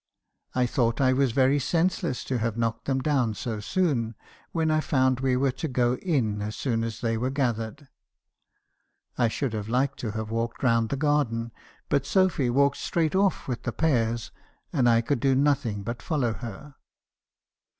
I thought I was veiy senseless to have knocked them down so soon, when I found we were to go in as soon as they were gathered. I should have liked to have walked round the garden, but Sophy walked straight off with the pears, and I could do nothing but follow her.